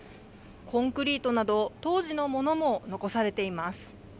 コンクリートなど当時のものも残されています。